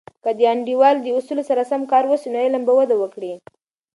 که د انډول د اصولو سره سم کار وسي، نو علم به وده وکړي.